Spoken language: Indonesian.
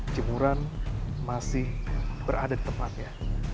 jemuran masih berada di tempatnya